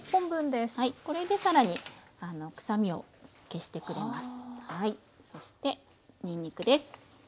これで更にくさみを消してくれます。